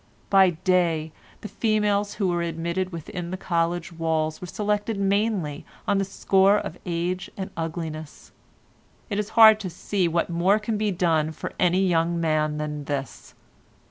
By day the females who were admitted within the college walls were selected mainly on the score of age and ugliness. It is hard to see what more can be done for any young man than this.